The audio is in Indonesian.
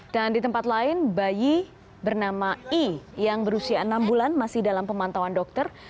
dan di tempat lain bayi bernama i yang berusia enam bulan masih dalam pemantauan dokter